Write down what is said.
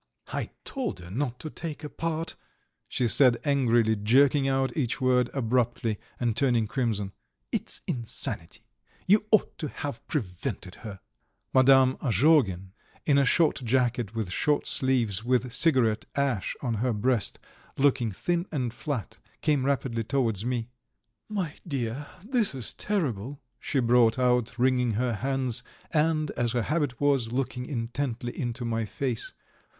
"I told her not to take a part," she said angrily, jerking out each word abruptly and turning crimson. "It's insanity! You ought to have prevented her!" Madame Azhogin, in a short jacket with short sleeves, with cigarette ash on her breast, looking thin and flat, came rapidly towards me. "My dear, this is terrible," she brought out, wringing her hands, and, as her habit was, looking intently into my face.